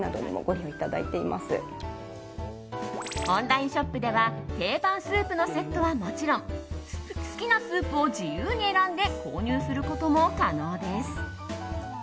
オンラインショップでは定番スープのセットはもちろん好きなスープを自由に選んで購入することも可能です。